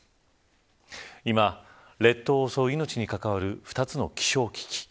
今、列島を襲う命に関わる２つの気象危機。